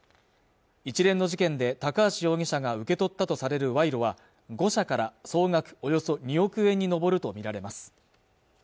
一連の事件で高橋容疑者が受け取ったとされる賄賂は５社から総額およそ２億円に上ると見られます